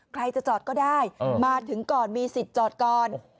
ใครจะจอดก็ได้มาถึงก่อนมีสิทธิ์จอดก่อน